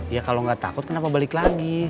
ya kalau nggak takut kenapa balik lagi